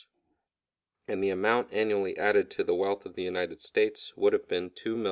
And the amount annually added to the wealth of the United States would have been $2,500,000.